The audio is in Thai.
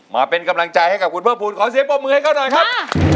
มาเป็นกำลังใจให้กับคุณเพิ่มภูมิขอเสียงปรบมือให้เขาหน่อยครับ